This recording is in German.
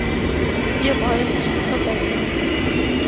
Wir wollen ihn verbessern.